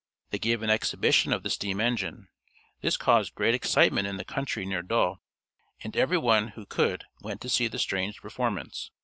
They gave an exhibition of the steam engine. This caused great excitement in the country near Yedo, and every one who could went to see the strange performance.